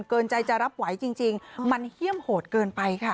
เกินใจจะรับไหวจริงมันเฮี่ยมโหดเกินไปค่ะ